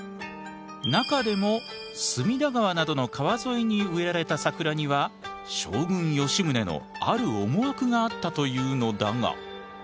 中でも隅田川などの川沿いに植えられた桜には将軍吉宗のある思惑があったというのだが。